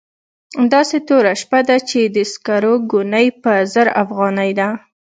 داسې توره شپه ده چې د سکرو ګونۍ په زر افغانۍ ده.